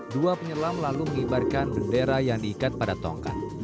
dua penyelam lalu mengibarkan bendera yang diikat pada tongkat